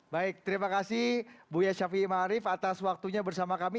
baik terima kasih buya syafiee ma'arif atas waktunya bersama kami